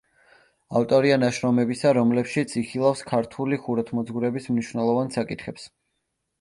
ავტორია ნაშრომებისა, რომლებშიც იხილავს ქართული ხუროთმოძღვრების მნიშვნელოვან საკითხებს.